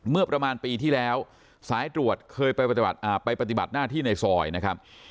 เมื่อประมาณปีที่แล้วสายตรวจเคยไปปฏิบัติหน้าที่ในซอยนะครับ